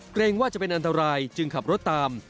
เกรงว่าจะเป็นอันตรายจึงขับรถตาม